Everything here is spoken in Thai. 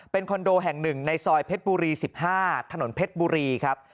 คอนโดแห่ง๑ในซอยเพชรบุรี๑๕ถนนเพชรบุรีครับ